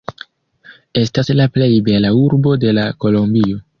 Estas la plej bela urbo de la Kolombio.